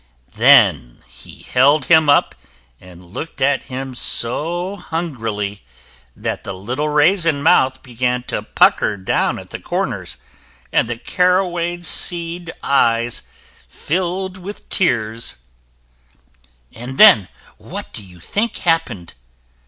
Then he held him up and looked at him so hungrily that the little raisin mouth began to pucker down at the corners, and the caraway seed eyes filled with tears. And then what do you think happened?